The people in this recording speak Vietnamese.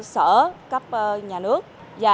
sở cấp nhà nước